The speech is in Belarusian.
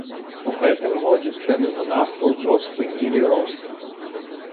У гэтым годзе цэны на нафту ўжо спынілі рост.